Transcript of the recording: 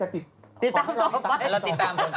ติดตามต่อไป